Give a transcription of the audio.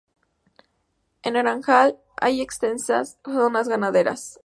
En Naranjal hay extensas zonas ganaderas.